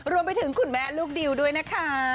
รวมไปถึงคุณแม่ลูกดิวด้วยนะคะ